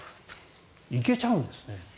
行けちゃうんですね。